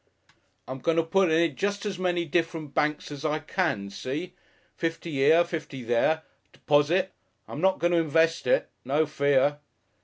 "I'm going to put it in jest as many different banks as I can. See? Fifty 'ere, fifty there. 'Posit. I'm not going to 'nvest it no fear."